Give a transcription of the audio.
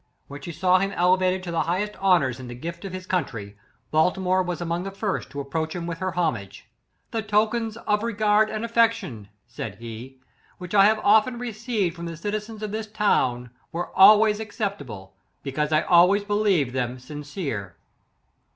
When she saw him elevat ed to the highest honours in the gift of his country, Baltimore was among the first to approach him with her homage. ^The tokens of regard and affection,' said he, 'which I have often received from the ci tizens of this town were always accepta ble, because I always believed them sin cere.'